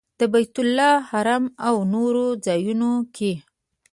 د بیت الله حرم او نورو ځایونو کې.